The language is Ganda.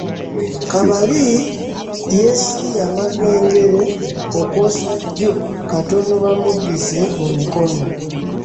Kabali yeesiye amagengere okwosa jjo katono bamuddize mu mikono.